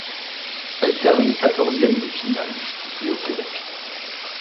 Elle termine quatorzième de Finales, disputées au Québec.